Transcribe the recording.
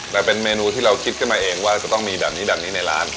แล้วเป็นเมนูที่เราคิดใช่ไหมเองว่าจะต้องมีดับนี้ในร้าน